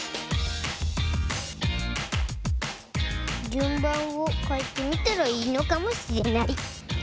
じゅんばんをかえてみたらいいのかもしれない。